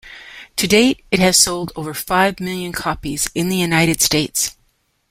To date, it has sold over five million copies in the United States.